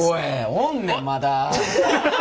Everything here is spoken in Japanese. おんねんまだ。